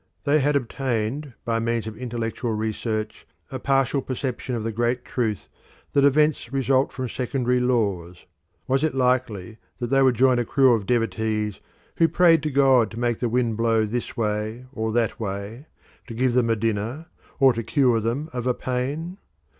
They had obtained by means of intellectual research a partial perception of the great truth that events result from secondary laws. Was it likely that they would join a crew of devotees who prayed to God to make the wind blow this way or that way, to give them a dinner, or to cure them of a pain?